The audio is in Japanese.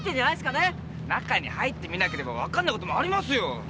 中に入ってみなければ分かんないこともありますよ